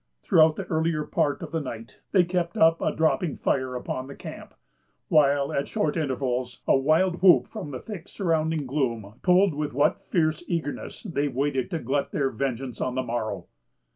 Throughout the earlier part of the night, they kept up a dropping fire upon the camp; while, at short intervals, a wild whoop from the thick surrounding gloom told with what fierce eagerness they waited to glut their vengeance on the morrow.